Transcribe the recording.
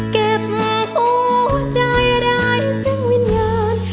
เก็บหาหัวใจร้ายซึ่งวิญญาณ